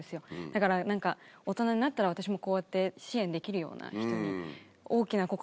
だから何か大人になったら私もこうやって支援できるような人に。